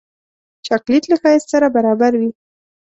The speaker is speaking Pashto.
چاکلېټ له ښایست سره برابر وي.